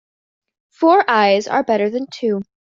Four eyes are better than two.